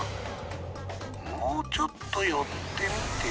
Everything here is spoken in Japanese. もうちょっと寄ってみて。